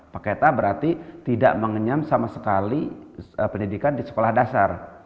paket a berarti tidak mengenyam sama sekali pendidikan di sekolah dasar